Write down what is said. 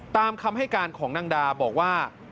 ตามคำให้การของนางดาบอกว่า